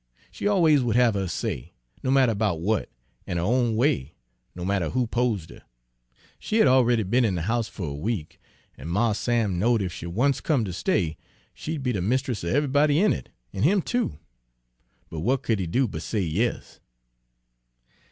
She always would have her say, no matter 'bout what, an' her own way, no matter who 'posed her. She had already be'n in de house fer a week, an' Mars Sam knowed ef she once come ter stay, she'd be de mist'ess of eve'ybody in it an' him too. But w'at could he do but say yas?